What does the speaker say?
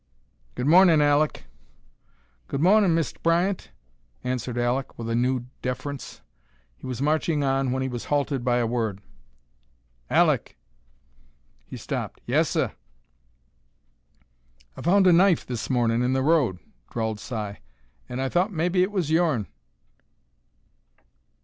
"Good mornin', Alek." "Good mawnin', Mist' Bryant," answered Alek, with a new deference. He was marching on, when he was halted by a word "Alek!" He stopped. "Yes, seh." "I found a knife this mornin' in th' road," drawled Si, "an' I thought maybe it was yourn."